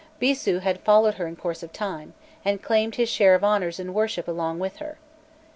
Bîsû had followed her in course of time, and claimed his share of honours and worship along with her.